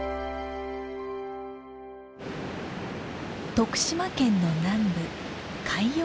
徳島県の南部海陽町。